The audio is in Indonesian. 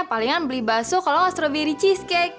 palingan beli basuh kalau nggak strawberry cheesecake